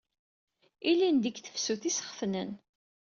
Ilindi deg tefsut i as-sxetnen.